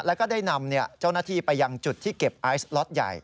แล้วก็ได้นำเจ้าหน้าที่ไปยังจุดที่เก็บไอซ์ล็อตใหญ่